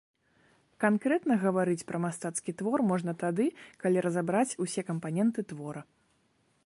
Канкрэтна гаварыць пра мастацкі твор можна тады, калі разабраць усе кампаненты твора.